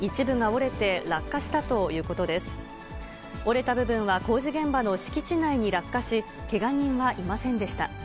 折れた部分は工事現場の敷地内に落下し、けが人はいませんでした。